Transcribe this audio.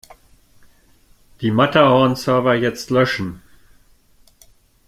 Die Matterhorn-Server jetzt löschen!